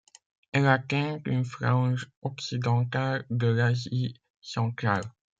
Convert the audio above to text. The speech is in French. Elle atteint une frange occidentale de l'Asie centrale.